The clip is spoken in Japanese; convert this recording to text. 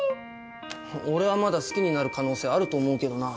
俺はまだ好きになる可能性あると思うけどな。